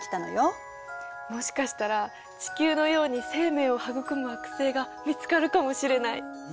もしかしたら地球のように生命を育む惑星が見つかるかもしれない！